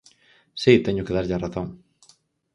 Si, teño que darlle a razón.